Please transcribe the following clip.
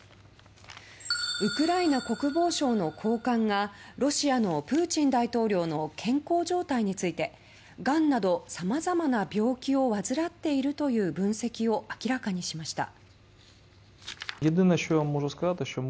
ウクライナ国防省の高官がロシアのプーチン大統領の健康状態についてがんなど、さまざまな病気を患っているという分析を明らかにしました。